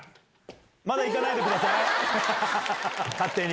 まだ行かないでください、勝手に。